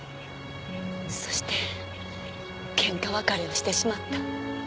そして喧嘩別れをしてしまった。